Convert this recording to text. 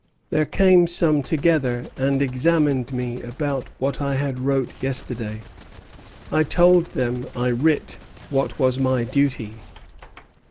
There came some together and examined me about what I had wrote yesterday. I told them I writ what was my duty.